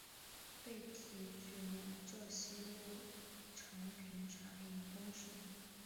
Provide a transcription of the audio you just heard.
被提举两浙西路常平茶盐公事。